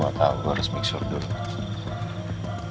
gue gak tau gue harus mikir dulu